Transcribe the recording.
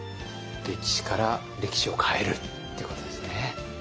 歴史から歴史を変えるってことですね。